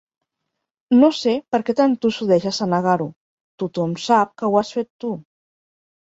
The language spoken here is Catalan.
No sé per què t'entossudeixes a negar-ho: tothom sap que ho has fet tu.